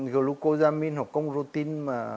glucosamine hoặc congrotin